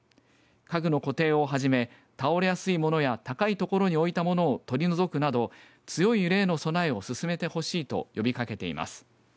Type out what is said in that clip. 家具の固定をはじめ倒れやすいものや高い所に置いた物を取り除くなど強い揺れへの備えを進めてほしいと呼びかけています。